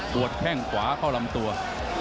พวดแทงขวาเข้ารำดันมา